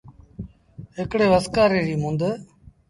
هڪڙيٚ وسڪآري ريٚ مند۔